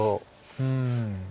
うん。